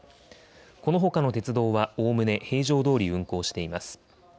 このほかの鉄道はおおむね平常どおり運行しています。